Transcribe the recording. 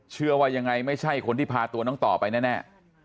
เชื่อว่ายังไงไม่ใช่คนที่พาตัวน้องต่อไปแน่